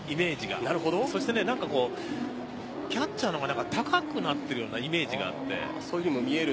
そしてキャッチャーの方が高くなっているようなイメージがあって。